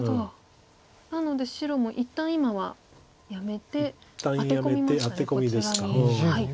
なので白も一旦今はやめてアテ込みましたねこちらに。